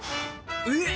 えっ！